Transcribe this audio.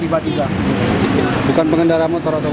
bukan pengendara motor atau